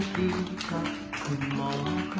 ดีจริง